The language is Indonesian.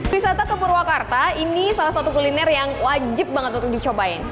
wisata ke purwakarta ini salah satu kuliner yang wajib banget untuk dicobain